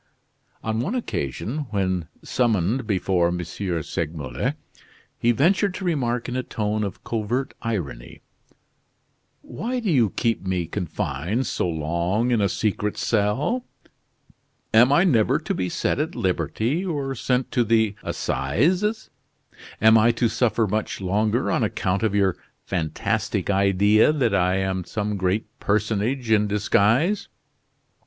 On one occasion, when summoned before M. Segmuller, he ventured to remark in a tone of covert irony: "Why do you keep me confined so long in a secret cell? Am I never to be set at liberty or sent to the assizes. Am I to suffer much longer on account of your fantastic idea that I am some great personage in disguise?"